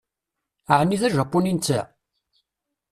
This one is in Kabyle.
Ɛni d ajapuni netta?